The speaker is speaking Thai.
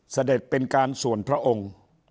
เสด็จเป็นการส่วนพระองค์